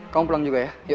kamu pulang juga ya yuk